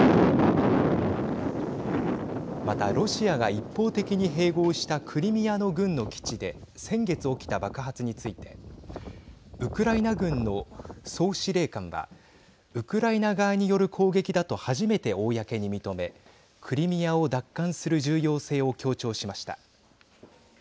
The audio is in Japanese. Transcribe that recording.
また、ロシアが一方的に併合したクリミアの軍の基地で先月起きた爆発についてウクライナ軍の総司令官はウクライナ側による攻撃だと初めて公に認めクリミアを奪還する重要性を強調しました。